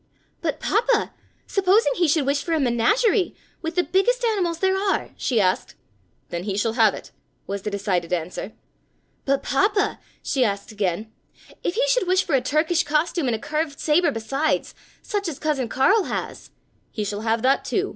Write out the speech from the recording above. "But, Papa, supposing he should wish for a menagerie, with the biggest animals there are?" she asked. "Then he shall have it," was the decided answer. "But, Papa," she asked again, "if he should wish for a Turkish costume and a curved saber besides, such as Cousin Karl has?" "He shall have that too!"